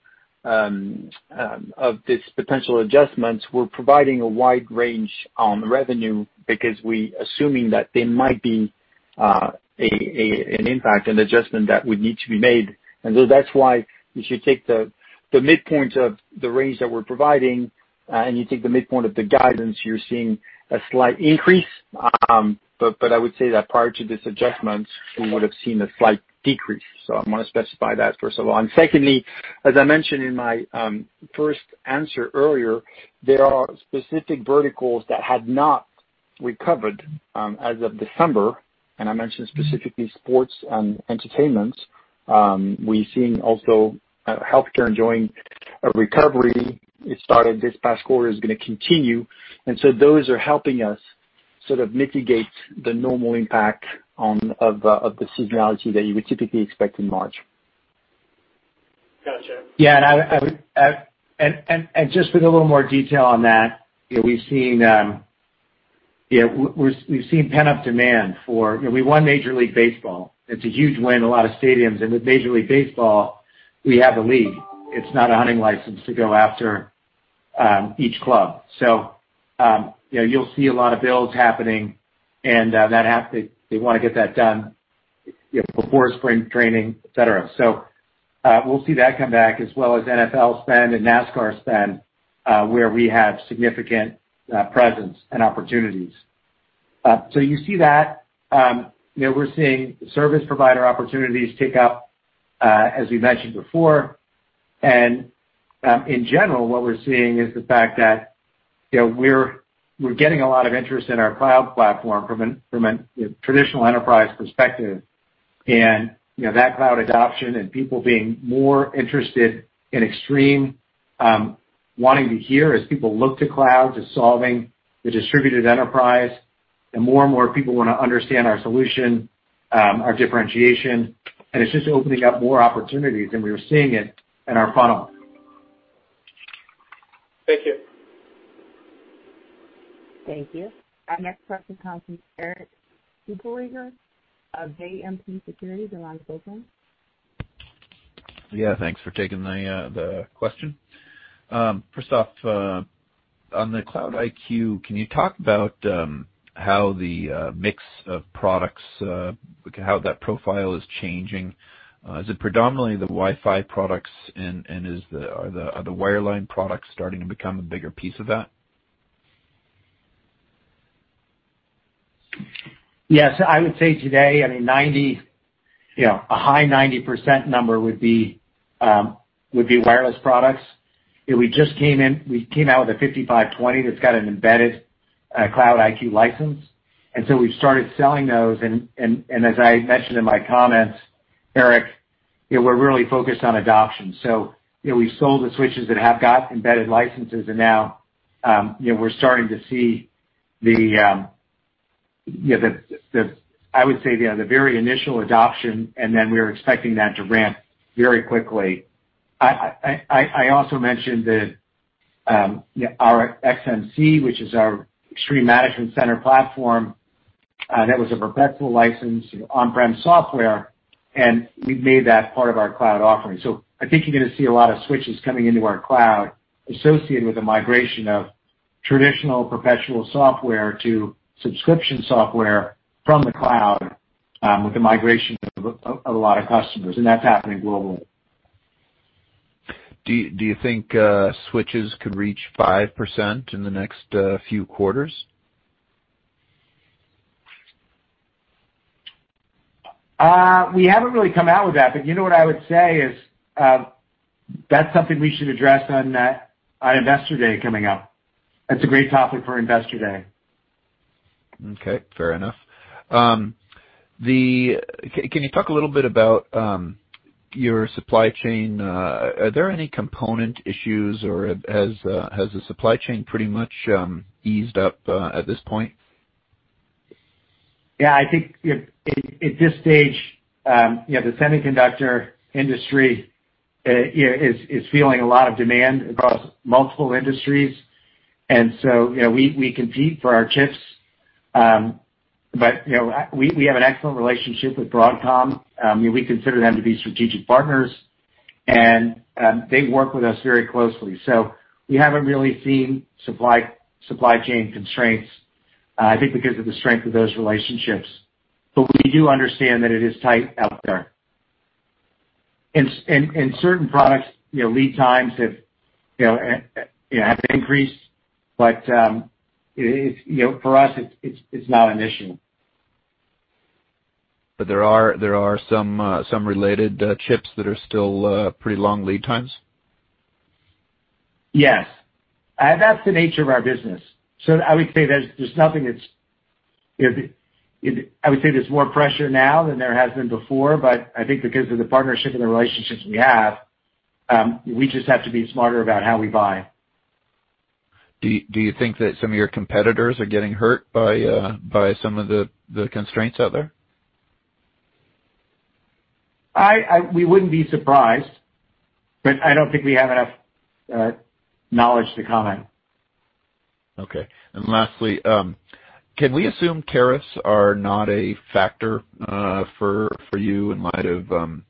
of these potential adjustments, we're providing a wide range on the revenue because we assuming that there might be an impact, an adjustment that would need to be made. That's why if you take the midpoint of the range that we're providing, and you take the midpoint of the guidance, you're seeing a slight increase. I would say that prior to this adjustment, we would've seen a slight decrease. I want to specify that, first of all. Secondly, as I mentioned in my first answer earlier, there are specific verticals that had not recovered as of December, and I mentioned specifically sports and entertainment. We're seeing also healthcare enjoying a recovery. It started this past quarter, it's going to continue. Those are helping us sort of mitigate the normal impact of the seasonality that you would typically expect in March. Gotcha. Yeah. Just with a little more detail on that, we've seen pent-up demand. We won Major League Baseball. It's a huge win, a lot of stadiums. With Major League Baseball, we have a league. It's not a hunting license to go after each club. You'll see a lot of builds happening, and they want to get that done before spring training, et cetera. We'll see that come back as well as NFL spend and NASCAR spend, where we have significant presence and opportunities. You see that. We're seeing service provider opportunities tick up, as we mentioned before. In general, what we're seeing is the fact that we're getting a lot of interest in our cloud platform from a traditional enterprise perspective, and that cloud adoption and people being more interested in Extreme, wanting to hear as people look to cloud to solving the distributed enterprise. More and more people want to understand our solution, our differentiation, and it's just opening up more opportunities, and we are seeing it in our funnel. Thank you. Thank you. Our next question comes from Erik Suppiger of JMP Securities. Your line is open. Yeah. Thanks for taking the question. First off, on the Cloud IQ, can you talk about how the mix of products, how that profile is changing? Is it predominantly the Wi-Fi products, and are the wireline products starting to become a bigger piece of that? Yes. I would say today, a high 90% number would be wireless products. We just came out with a 5520 that's got an embedded Cloud IQ license. We've started selling those. As I mentioned in my comments, Eric, we're really focused on adoption. We've sold the switches that have got embedded licenses. Now we're starting to see the, I would say, the very initial adoption. We're expecting that to ramp very quickly. I also mentioned that our XMC, which is our Extreme Management Center platform, that was a perpetual license on-prem software. We've made that part of our cloud offering. I think you're going to see a lot of switches coming into our cloud associated with the migration of traditional professional software to subscription software from the cloud with the migration of a lot of customers. That's happening globally. Do you think switches could reach 5% in the next few quarters? We haven't really come out with that, but you know what I would say is that's something we should address on our Investor Day coming up. That's a great topic for Investor Day. Okay, fair enough. Can you talk a little bit about your supply chain? Are there any component issues, or has the supply chain pretty much eased up at this point? Yeah, I think at this stage the semiconductor industry is feeling a lot of demand across multiple industries. We compete for our chips. We have an excellent relationship with Broadcom. We consider them to be strategic partners. They work with us very closely. We haven't really seen supply chain constraints, I think because of the strength of those relationships. We do understand that it is tight out there. In certain products, lead times have increased. For us, it's not an issue. There are some related chips that are still pretty long lead times? Yes. That's the nature of our business. I would say there's more pressure now than there has been before, but I think because of the partnership and the relationships we have, we just have to be smarter about how we buy. Do you think that some of your competitors are getting hurt by some of the constraints out there? We wouldn't be surprised, but I don't think we have enough knowledge to comment. Okay. Lastly, can we assume tariffs are not a factor for you in light of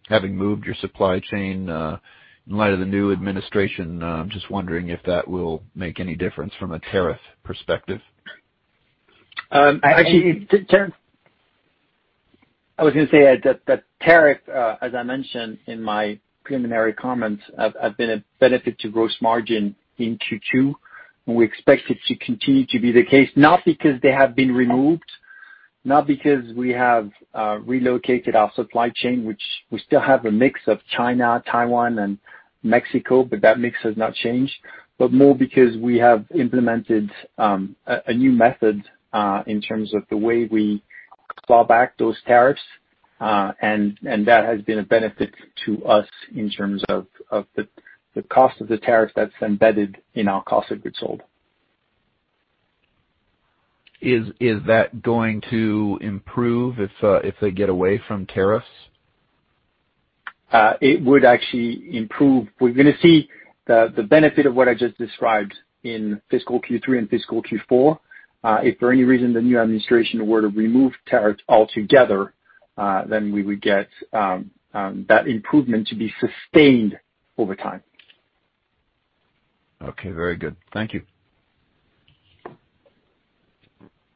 having moved your supply chain, in light of the new administration? I'm just wondering if that will make any difference from a tariff perspective. Actually, I was going to say that tariff, as I mentioned in my preliminary comments, have been a benefit to gross margin in Q2, and we expect it to continue to be the case, not because they have been removed, not because we have relocated our supply chain, which we still have a mix of China, Taiwan, and Mexico, but that mix has not changed, but more because we have implemented a new method in terms of the way we claw back those tariffs. That has been a benefit to us in terms of the cost of the tariff that's embedded in our cost of goods sold. Is that going to improve if they get away from tariffs? It would actually improve. We're going to see the benefit of what I just described in fiscal Q3 and fiscal Q4. If for any reason the new administration were to remove tariffs altogether, then we would get that improvement to be sustained over time. Okay, very good. Thank you.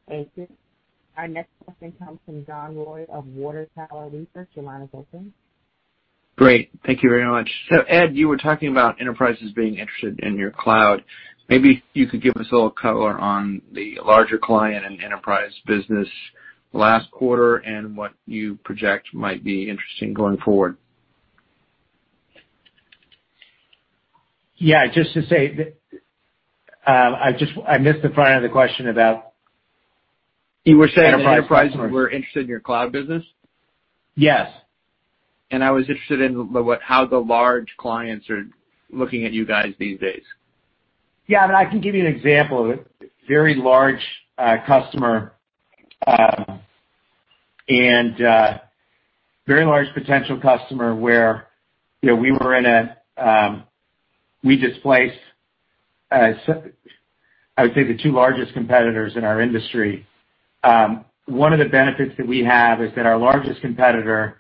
Thank you. Our next question comes from John Roy of Water Tower Research. Your line is open. Great. Thank you very much. Ed, you were talking about enterprises being interested in your cloud. Maybe you could give us a little color on the larger client and enterprise business last quarter and what you project might be interesting going forward. Yeah, just to say that I missed the front of the question about. You were saying enterprises were interested in your cloud business. Yes. I was interested in how the large clients are looking at you guys these days. I can give you an example of a very large customer, and very large potential customer where we displaced, I would say, the two largest competitors in our industry. One of the benefits that we have is that our largest competitor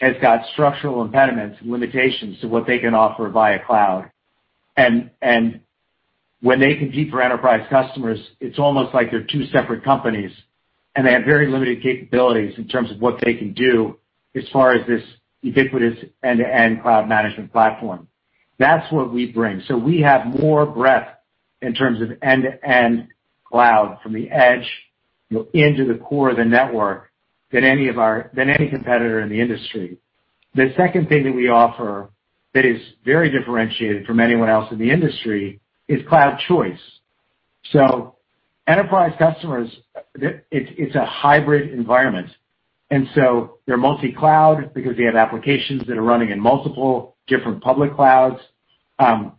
has got structural impediments and limitations to what they can offer via cloud. When they compete for enterprise customers, it's almost like they're two separate companies, and they have very limited capabilities in terms of what they can do as far as this ubiquitous end-to-end cloud management platform. That's what we bring. We have more breadth in terms of end-to-end cloud from the edge into the core of the network than any competitor in the industry. The second thing that we offer that is very differentiated from anyone else in the industry is cloud choice. Enterprise customers, it's a hybrid environment, and so they're multi-cloud because they have applications that are running in multiple different public clouds.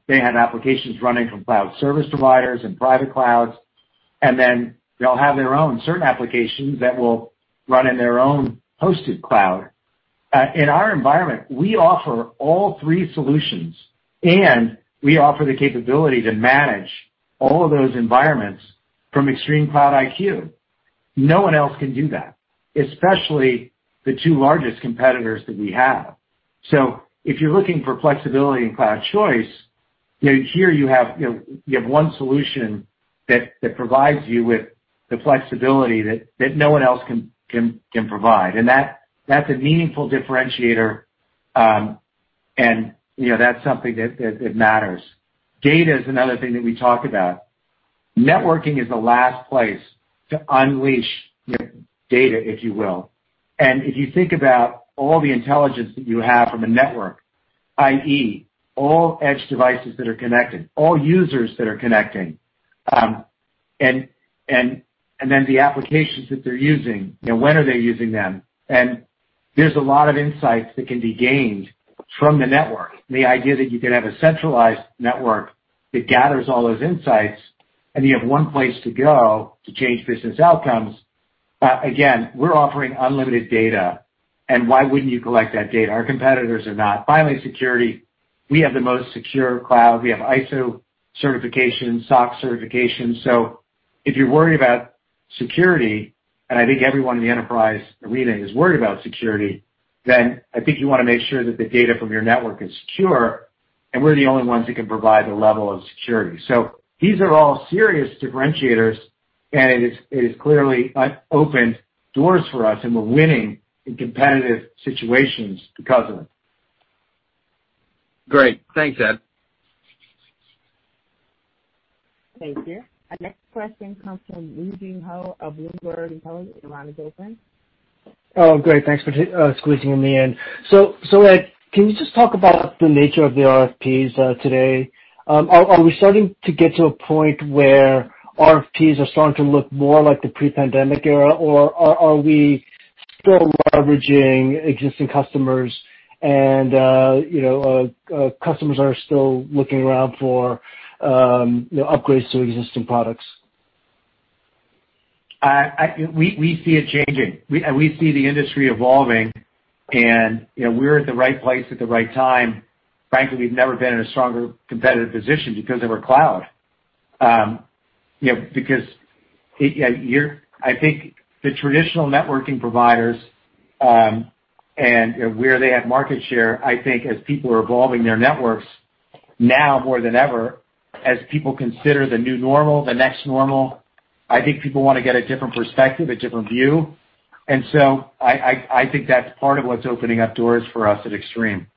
They have applications running from cloud service providers and private clouds. They'll have their own certain applications that will run in their own hosted cloud. In our environment, we offer all three solutions, and we offer the capability to manage all of those environments from ExtremeCloud IQ. No one else can do that, especially the two largest competitors that we have. If you're looking for flexibility in cloud choice, here you have one solution that provides you with the flexibility that no one else can provide. That's a meaningful differentiator, and that's something that matters. Data is another thing that we talk about. Networking is the last place to unleash data, if you will. If you think about all the intelligence that you have from a network, i.e., all edge devices that are connected, all users that are connecting, and then the applications that they're using, when are they using them? There's a lot of insights that can be gained from the network. The idea that you can have a centralized network that gathers all those insights, and you have one place to go to change business outcomes. Again, we're offering unlimited data, and why wouldn't you collect that data? Our competitors are not. Finally, security. We have the most secure cloud. We have ISO certification, SOC certification. If you're worried about security, and I think everyone in the enterprise arena is worried about security, then I think you want to make sure that the data from your network is secure, and we're the only ones who can provide the level of security. These are all serious differentiators, and it has clearly opened doors for us, and we're winning in competitive situations because of it. Great. Thanks, Ed. Thank you. Our next question comes from Woo Jin Ho of Bloomberg Intelligence. The line is open. Oh, great. Thanks for squeezing me in. Ed, can you just talk about the nature of the RFPs today? Are we starting to get to a point where RFPs are starting to look more like the pre-pandemic era, or are we still leveraging existing customers and customers are still looking around for upgrades to existing products? We see it changing. We see the industry evolving, we're at the right place at the right time. Frankly, we've never been in a stronger competitive position because of our cloud. Because I think the traditional networking providers and where they have market share, I think as people are evolving their networks now more than ever, as people consider the new normal, the next normal, I think people want to get a different perspective, a different view. I think that's part of what's opening up doors for us at Extreme.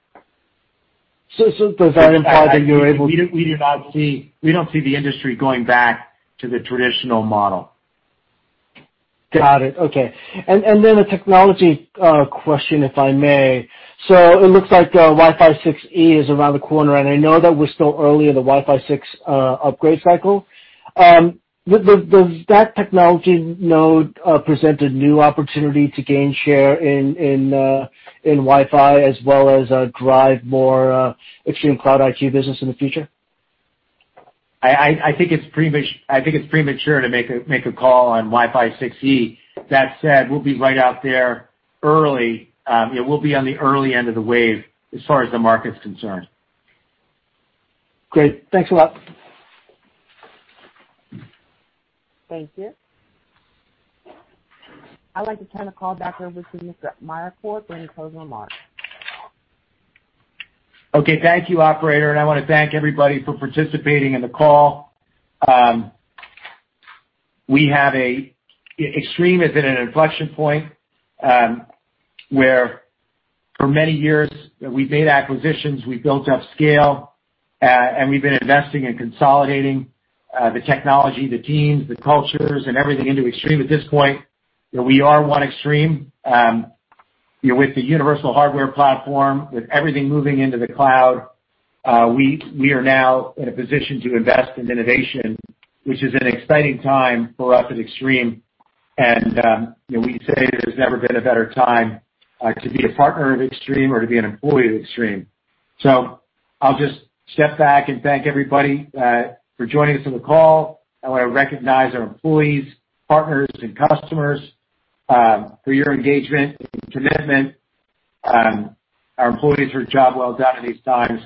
Does that imply that you're able to. We do not see the industry going back to the traditional model. Got it. Okay. A technology question, if I may. It looks like Wi-Fi 6E is around the corner, and I know that we're still early in the Wi-Fi 6 upgrade cycle. Does that technology node present a new opportunity to gain share in Wi-Fi as well as drive more ExtremeCloud IQ business in the future? I think it's premature to make a call on Wi-Fi 6E. That said, we'll be right out there early. We'll be on the early end of the wave as far as the market's concerned. Great. Thanks a lot. Thank you. I'd like to turn the call back over to Mr. Meyercord for any closing remarks. Thank you, operator. I want to thank everybody for participating in the call. Extreme is at an inflection point, where for many years we've made acquisitions, we've built up scale, and we've been investing in consolidating the technology, the teams, the cultures, and everything into Extreme. At this point, we are one Extreme. With the universal hardware platform, with everything moving into the cloud, we are now in a position to invest in innovation, which is an exciting time for us at Extreme. We say there's never been a better time to be a partner of Extreme or to be an employee of Extreme. I'll just step back and thank everybody for joining us on the call. I want to recognize our employees, partners, and customers for your engagement and commitment, our employees for a job well done in these times.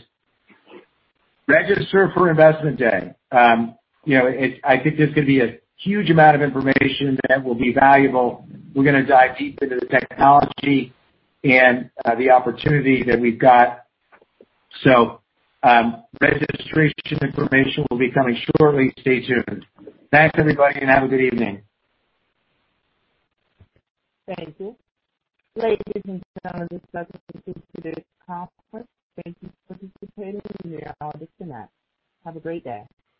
Register for Investor Day. I think there's going to be a huge amount of information that will be valuable. We're going to dive deep into the technology and the opportunity that we've got. Registration information will be coming shortly. Stay tuned. Thanks, everybody, and have a good evening. Thank you. Ladies and gentlemen, this does conclude today's conference. Thank you for participating, and you may all disconnect. Have a great day.